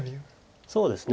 そうですね